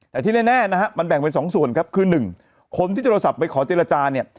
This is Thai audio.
แต่ที่แน่นะฮะมันแบ่งเป็น๒ส่วนครับคือ๑คนที่โทรศัพท์ไปขอเจรจาเนี่ย